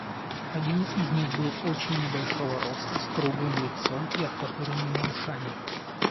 Один из них был очень небольшого роста, с круглым лицом и оттопыренными ушами.